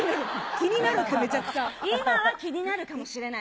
気にな今は気になるかもしれない。